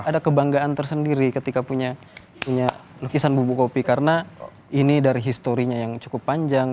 ada kebanggaan tersendiri ketika punya lukisan bubuk kopi karena ini dari historinya yang cukup panjang